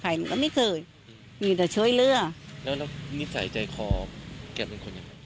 หนูก็ไม่เคยมีแต่ช่วยเรือแล้วแล้วนิสัยใจคอแกเป็นคนยังไง